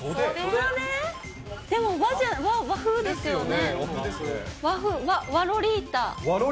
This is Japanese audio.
でも和風ですよね。